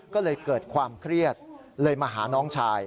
ก็เลยเกิดความเครียดเลยมาหาน้องชาย